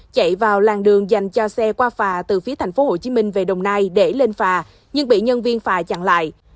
chạy vào làng đường dành cho xe qua phà từ phía thành phố hồ chí minh về đồng nai để lên phà nhưng bị nhân viên phà chặn lại